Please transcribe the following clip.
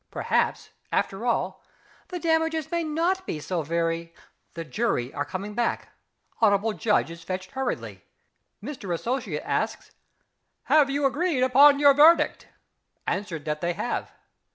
Perhaps, after all, the damages may not be so very.... The jury are coming back. Hon'ble Judge is fetched hurriedly.... Mister Associate asks: "Have you agreed upon your verdict?" Answered that they have.